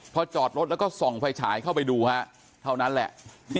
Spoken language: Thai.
พอจอดรถแล้วก็ส่องไฟฉายเข้าไปดูฮะเท่านั้นแหละ